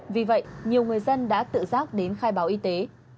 vì vậy nhiều người dân đã tự giác đến khai báo y tế